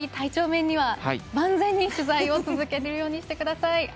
一橋さん、引き続き体調面は万全に取材を続けるようにしてください。